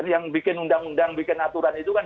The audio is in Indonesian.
yang bikin undang undang bikin aturan itu kan